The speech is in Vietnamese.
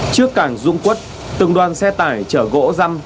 trước cảng dung quốc từng đoàn xe tải chở gỗ răm